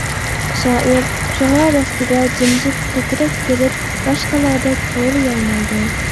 شائىر شۇڭا رەستىدە جىمجىت كۆكرەك كىرىپ باشقىلاردەك توۋلىيالمايدۇ.